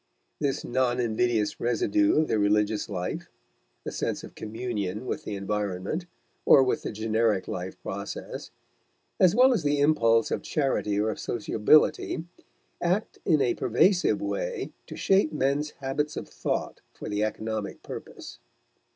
This non invidious residue of the religious life the sense of communion with the environment, or with the generic life process as well as the impulse of charity or of sociability, act in a pervasive way to shape men's habits of thought for the economic purpose.